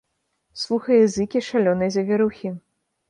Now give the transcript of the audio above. Слухае зыкі шалёнай завірухі.